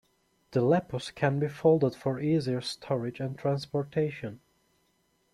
The Lepus can be folded for easier storage and transportation.